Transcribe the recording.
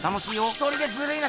一人でずるいな。